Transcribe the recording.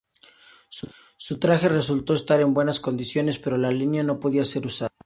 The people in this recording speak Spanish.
Su traje resultó estar en buenas condiciones, pero la línea no podía ser usada.